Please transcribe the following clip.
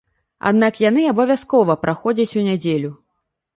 Аднак яны абавязкова праходзяць у нядзелю.